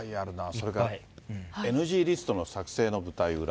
それからＮＧリストの作成の舞台裏。